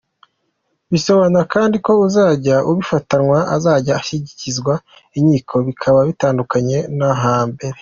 Bisobanura kandi ko uzajya abifatanwa azajya ashyikirizwa inkiko, bikaba bitandukanye no hambere."